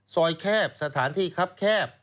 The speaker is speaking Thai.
แคบสถานที่ครับแคบ